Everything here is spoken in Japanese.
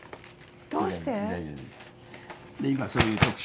どうして？